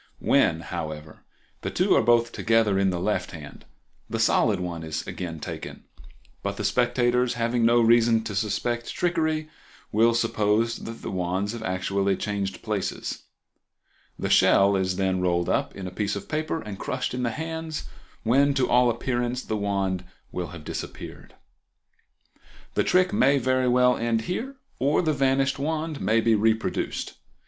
When, however, the two are both together in the left hand the solid one is again taken, but the spectators, having no reason to suspect trickery, will suppose that the wands have actually changed places. The shell is then rolled up in a piece of paper and crushed in the hands, when, to all appearance, the wand will have disappeared. The trick may very well end here, or the vanished wand may be reproduced.